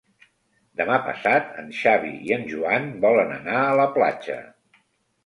Demà passat en Xavi i en Joan volen anar a la platja.